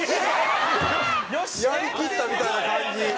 やりきったみたいな感じ。